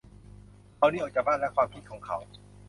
เขาหนีออกจากบ้านและความคิดของเขา